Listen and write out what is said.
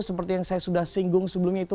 seperti yang saya sudah singgung sebelumnya itu